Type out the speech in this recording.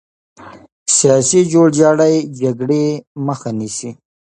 سیاسي جوړجاړی جګړې مخه نیسي